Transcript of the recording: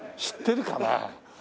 知ってるかな？